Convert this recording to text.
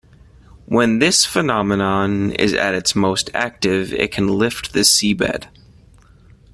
When this phenomenon is at its most active it can lift the sea-bed.